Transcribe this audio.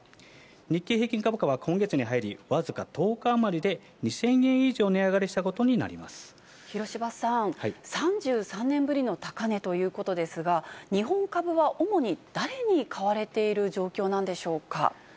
日経平均株価は今月に入り、僅か１０日余りで２０００円以上広芝さん、３３年ぶりの高値ということですが、日本株は主に誰に買われている状況なんでしょうか。